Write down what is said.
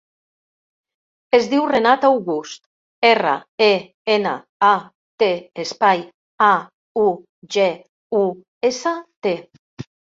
Es diu Renat August: erra, e, ena, a, te, espai, a, u, ge, u, essa, te.